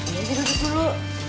nanti duduk dulu